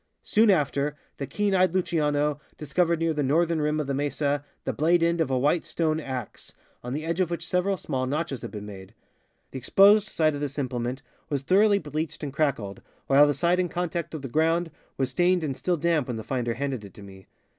Soon after the keen e3^ed Luciano discovered near the northern rim of the mesa the blade end of a white stone ax, on the edge of which several small notches had been made. The exposed side of this implement was thoroughly bleached and crackled, while the side in contact with the ground was stained and still damp when the finder handed it to me.